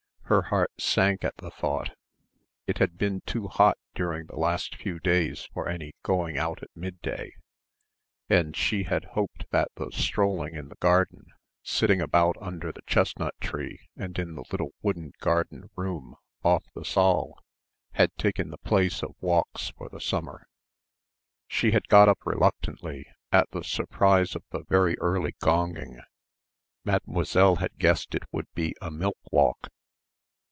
Her heart sank at the thought. It had been too hot during the last few days for any going out at midday, and she had hoped that the strolling in the garden, sitting about under the chestnut tree and in the little wooden garden room off the saal had taken the place of walks for the summer. She had got up reluctantly, at the surprise of the very early gonging. Mademoiselle had guessed it would be a "milk walk."